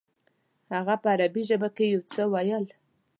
هغه په عربي ژبه یو څه وویل.